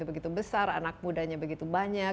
begitu besar anak mudanya begitu banyak